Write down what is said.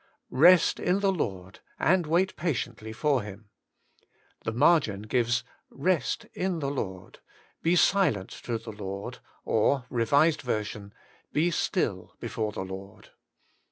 *Rest in the lord, and wait patiently for Him.' The margin gives for ' Rest in the Lord/ ' Be silent to the Lord,' or R. V., * Be still before the Lord.